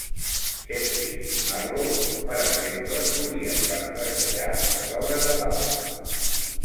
Shakespeare i Marlowe, per exemple, solien parafrasejar les obres de l'altre.